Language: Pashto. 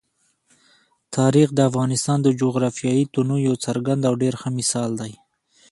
تاریخ د افغانستان د جغرافیوي تنوع یو څرګند او ډېر ښه مثال دی.